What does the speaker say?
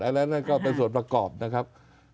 อะไรแหละนั้นก็เป็นส่วนประกอบนะครับ